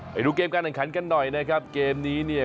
ไปดูเกมการแข่งขันกันหน่อยนะครับเกมนี้เนี่ย